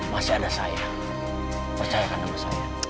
masih ada saya percayakan sama saya